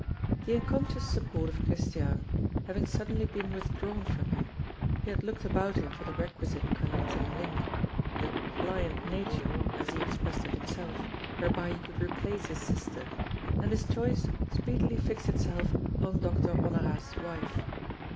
The unconscious support of Christiane having suddenly been withdrawn from him, he had looked about him for the requisite connecting link, the "pliant nature," as he expressed it himself, whereby he could replace his sister; and his choice speedily fixed itself on Doctor Honorat's wife.